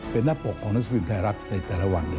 เป็นหน้าปกของนักศิลป์ไทยรักษ์ในแต่ละวันเลย